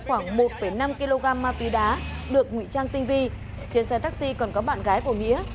khoảng một năm kg ma túy đá được ngụy trang tinh vi trên xe taxi còn có bạn gái của mía